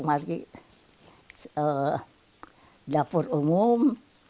maksudnya dapur umum